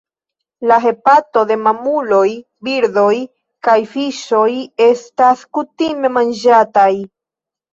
La hepato de mamuloj, birdoj kaj fiŝoj estas kutime manĝataj.